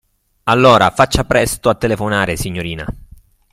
Allora, faccia presto a telefonare, signorina!